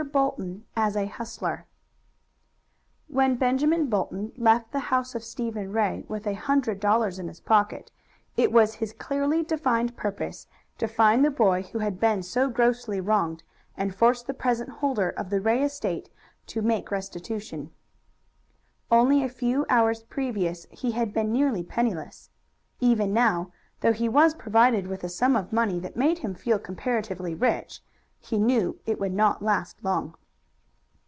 BOLTON AS A HUSTLER When Benjamin Bolton left the house of Stephen Ray with a hundred dollars in his pocket, it was his clearly defined purpose to find the boy who had been so grossly wronged, and force the present holder of the Ray estate to make restitution. Only a few hours previous he had been nearly penniless. Even now, though he was provided with a sum of money that made him feel comparatively rich, he knew it would not last long.